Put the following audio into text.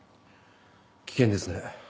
危険ですね。